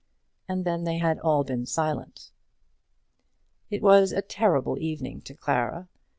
And then they had all been silent. It was a terrible evening to Clara.